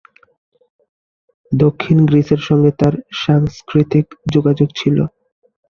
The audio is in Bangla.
দক্ষিণ গ্রিসের সঙ্গে তার সাংস্কৃতিক যোগাযোগ ছিল।